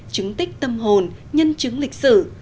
chứng tích tâm hồn nhân chứng lịch sử